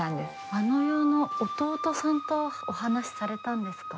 あの世の弟さんとお話しされたんですか？